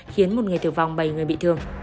khiến một người tử vong bảy người bị thương